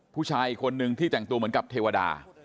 พุชายคนหนึ่งที่แต่งตัวเหมือนกับเทวายนหะ